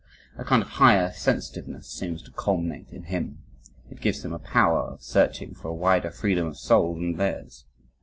A kind of higher sensitiveness seems to culminate in him. It gives him a power of searching for a wider freedom of soul than theirs.